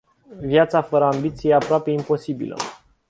Viața fără ambiție e aproape imposibilă.